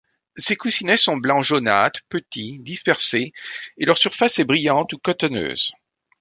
Ces coussinets sont blanc jaunâtre, petits, dispersés, et leur surface est brillante ou cotonneuse.